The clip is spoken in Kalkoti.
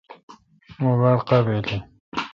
مہ باڑ قابل این۔